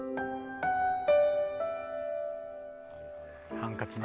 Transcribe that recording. ハンカチね。